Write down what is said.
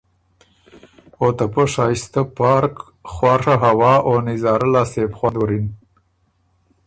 او ته پۀ شائستۀ پارک خواڒه هوا او نظاره لاسته يې بو خوند وُرِن۔